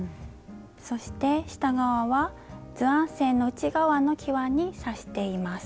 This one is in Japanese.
そして下側は図案線の内側のきわに刺しています。